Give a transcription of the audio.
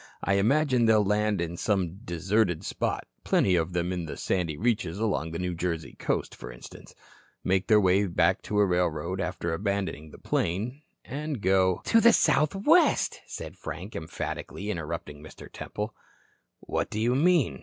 I imagine they'll land in some deserted spot plenty of them in the sandy reaches along the New Jersey coast, for instance make their way to a railroad, after abandoning the plane, and go " "To the Southwest," said Frank, emphatically, interrupting Mr. Temple. "What do you mean?"